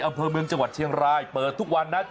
อำเภอเมืองจังหวัดเชียงรายเปิดทุกวันนะ